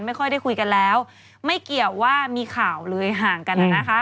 ไม่ค่อยได้คุยกันแล้วไม่เกี่ยวว่ามีข่าวเลยห่างกันนะคะ